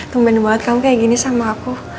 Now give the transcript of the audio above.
temen banget kamu kayak gini sama aku